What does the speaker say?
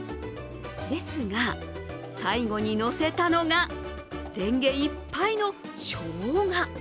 ですが、最後にのせたのがれんげいっぱいのしょうが。